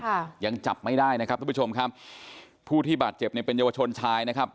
ยังจับไม่ได้นะครับทุกผู้ชมครับผู้ที่บาดเจ็บเนี่ยเป็นเยาวชนชายนะครับ